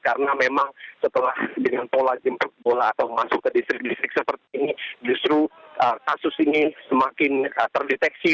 karena memang setelah dengan pola jemput bola atau masuk ke distrik distrik seperti ini justru kasus ini semakin terdeteksi